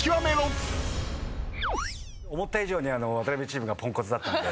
思った以上にワタナベチームがポンコツだったんで。